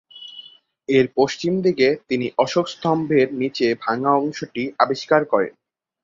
এর পশ্চিম দিকে তিনি অশোক স্তম্ভের নিচের ভাঙ্গা অংশটি আবিষ্কার করেন।